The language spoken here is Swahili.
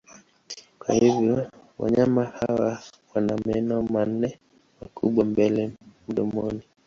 Kwa hivyo wanyama hawa wana meno manne makubwa mbele mdomoni.